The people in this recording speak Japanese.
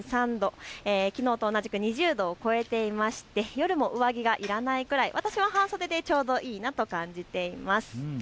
きのうと同じ２０度を超えていて夜も上着がいらないくらい私は半袖でちょうどいいなと感じています。